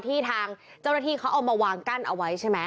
ทางเจ้าหน้าที่เขาเอามาวางกั้นเอาไว้ใช่ไหม